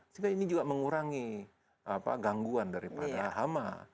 sehingga ini juga mengurangi gangguan daripada hama